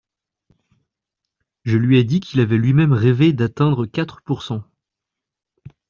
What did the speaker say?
Je lui ai dit qu’il avait lui-même rêvé d’atteindre quatre pourcent.